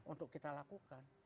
untuk kita lakukan